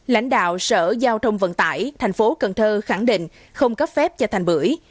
lãnh đạo sở giao thông vận tại tp cn khẳng định không cấp phép cho thành bưởi